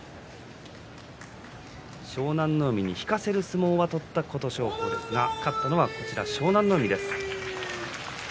湘南乃海に引かせる相撲を取った琴勝峰ですが勝ったのは湘南乃海です。